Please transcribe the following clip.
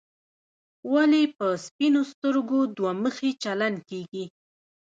ولې په سپینو سترګو دوه مخي چلن کېږي.